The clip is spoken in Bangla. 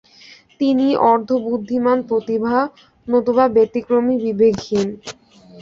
তিনি "অর্ধ-বুদ্ধিমান প্রতিভা" নতুবা "ব্যতিক্রমী বিবেকহীন"।